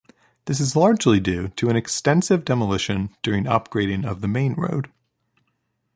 This is largely due to extensive demolition during upgrading of the main road.